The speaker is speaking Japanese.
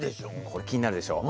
これ気になるでしょう？